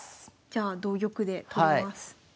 じゃあ同玉で取ります。